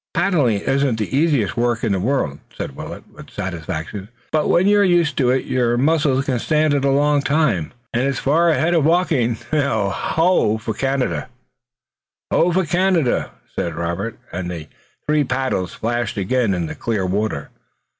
"Paddling isn't the easiest work in the world," said Willet with satisfaction, "but when you're used to it your muscles can stand it a long time, and it's far ahead of walking. Now, ho for Canada!" "Ho for Canada!" said Robert, and the three paddles flashed again in the clear water.